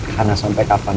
karena sampai kapanpun